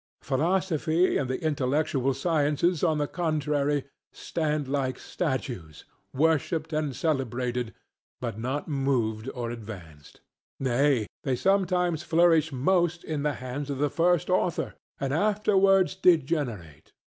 Philosophy and the intellectual sciences, on the contrary, stand like statues, worshiped and celebrated, but not moved or advanced. Nay, they sometimes flourish most in the hands of the first author, and afterwards degenerate.